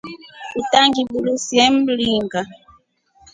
Utangibusulie mringa.